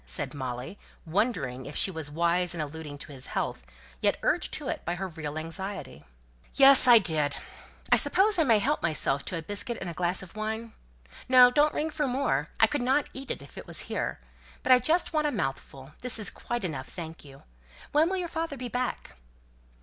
said Molly, wondering if she was wise in alluding to his health, yet urged to it by her real anxiety. "Yes, I did. I suppose I may help myself to a biscuit and a glass of wine? No, don't ring for more. I could not eat it if it was here. But I just want a mouthful; this is quite enough, thank you. When will your father be back?"